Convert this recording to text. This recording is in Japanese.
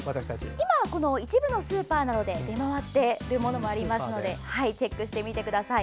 今、一部のスーパーなどで出回っているものもありますのでチェックしてみてください。